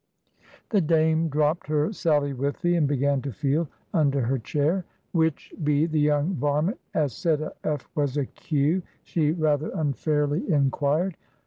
The Dame dropped her sallywithy and began to feel under her chair. "Which be the young varment as said a F was a Q?" she rather unfairly inquired.